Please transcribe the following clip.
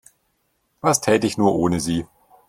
Was täte ich nur ohne Sie?